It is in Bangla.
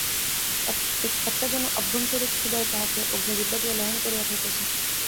একটা যেন আভ্যন্তরিক ক্ষুধায় তাহাকে অগ্নিজিহ্বা দিয়া লেহন করিয়া খাইতেছে।